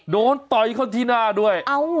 ต่อยเขาที่หน้าด้วย